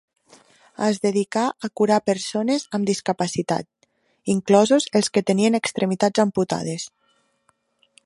Es dedicà a curar persones amb discapacitat, inclosos els que tenien extremitats amputades.